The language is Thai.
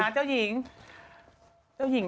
เจ้าหญิง